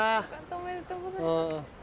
おめでとうございます。